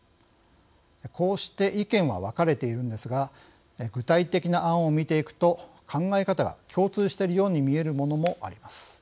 こうして意見は分かれているんですが具体的な案を見ていくと考え方が共通しているように見えるものもあります。